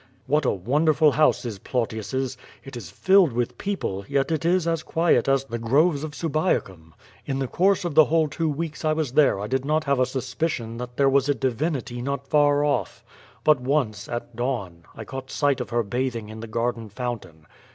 What a wonderful house is Plautius's. It is filled with people, yet it is as quiet as the groves of Subiacum. In the course of the whole two weeks I was there I did not have a suspicion that there was a di vinity not far off. But once, at dawn, I caught sight of her bathing in the garden fountain.